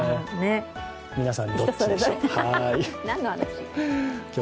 皆さん、どっちでしょう。